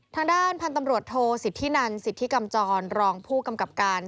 ทางด้านพันธุ์ตำรวจโทสิทธินันสิทธิกำจรรองผู้กำกับการ